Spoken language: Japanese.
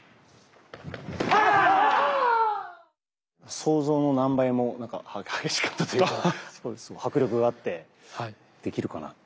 想像の何倍も激しかったというか迫力があってできるかなって。